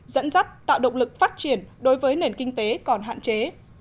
dẫn dắt tạo động lực phát triển đối với nền kinh tế còn hạn chế